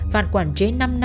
phạt quản chế năm năm